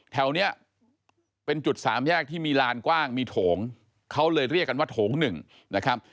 แถวนี้เป็นจุดสามแยกที่มีลานกว้างมีโถงเขาเลยเรียกกันว่าโถงหนึ่งนะครับ